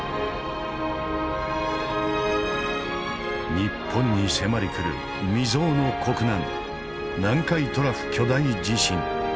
日本に迫りくる未曽有の国難南海トラフ巨大地震。